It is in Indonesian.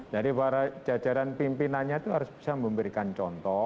jadi para jajaran pimpinannya itu harus bisa memberikan contoh